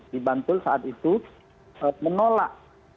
di bantul saat itu menolak